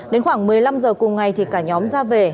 đến khoảng một mươi năm giờ cùng ngày thì cả nhóm ra về